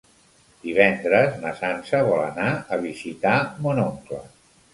Divendres na Sança vol anar a visitar mon oncle.